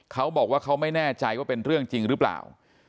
เขาบอกว่าเขาไม่แน่ใจว่าเป็นเรื่องจริงหรือเปล่า